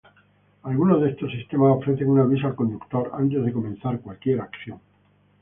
Algunos de estos sistemas ofrecen un aviso al conductor antes de comenzar cualquier acción.